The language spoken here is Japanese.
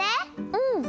うん！